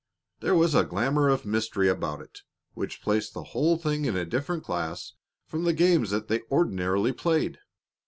There was a glamour of mystery about it which placed the whole thing in a different class from the games that they ordinarily played.